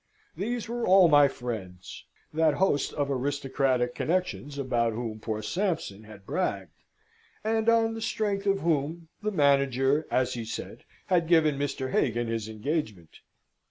These were all my friends that host of aristocratic connexions about whom poor Sampson had bragged; and on the strength of whom, the manager, as he said, had given Mr. Hagan his engagement!